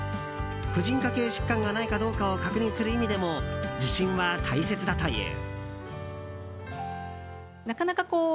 婦人科系疾患がないかどうかを確認する意味でも受診は大切だという。